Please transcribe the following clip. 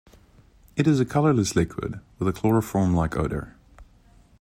It is a colourless liquid with a chloroform-like odour.